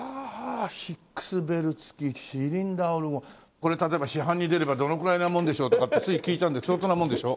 これ例えば市販に出ればどのくらいなもんでしょう？ってつい聞いちゃうんですけど相当なもんでしょ？